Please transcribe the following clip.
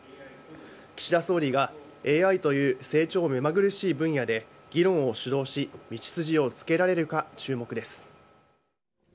岸田総理がＡＩという成長目まぐるしい分野で議論を主導し、道筋をつけられるか、注目です。